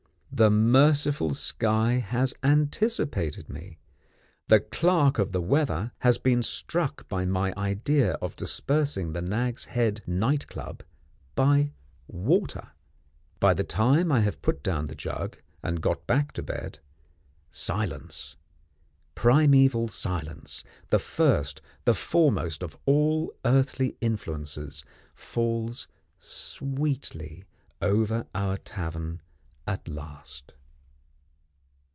The merciful sky has anticipated me; the "clerk of the weather" has been struck by my idea of dispersing the Nag's Head Night Club by water. By the time I have put down the jug and got back to bed, silence primeval silence, the first, the foremost of all earthly influences falls sweetly over our tavern at last.